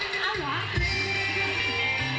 สุภาษณ์แสงเซียล